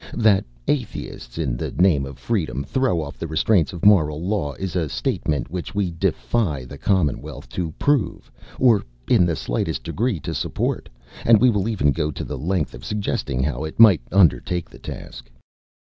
That Atheists, in the name of freedom, throw off the restraints of moral law, is a statement which we defy the Commonwealth to prove, or in the slightest degree to support, and we will even go to the length of suggesting how it might undertake the task.